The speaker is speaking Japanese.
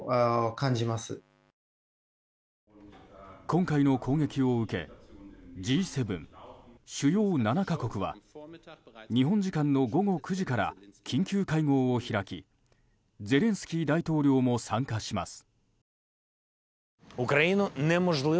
今回の攻撃を受けＧ７・主要７か国は日本時間の午後９時から緊急会合を開きゼレンスキー大統領も参加します。